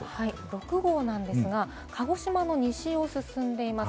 ６号なんですが、鹿児島の西を進んでいます。